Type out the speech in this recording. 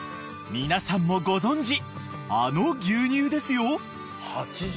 ［皆さんもご存じあの牛乳ですよ］